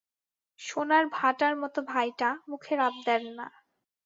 সোনার ভাটার মতো ভাইটা, মুখের আবদার না।